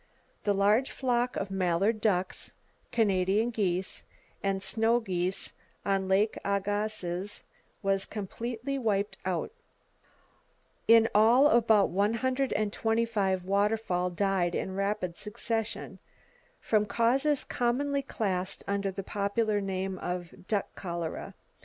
The large flock of mallard ducks, Canada geese, and snow geese on Lake Agassiz was completely wiped out. In all about 125 waterfowl died in rapid succession, from causes commonly classed under the popular name of "duck cholera."